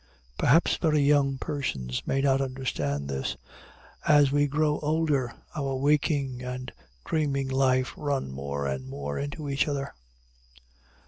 Perhaps very young persons may not understand this; as we grow older, our waking and dreaming life run more and more into each other.